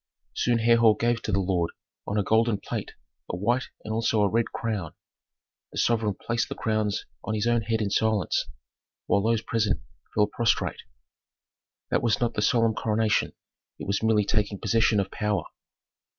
Soon Herhor gave to the lord, on a golden plate, a white and also a red crown. The sovereign placed the crowns on his own head in silence, while those present fell prostrate. That was not the solemn coronation; it was merely taking possession of power.